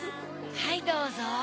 はいどうぞ。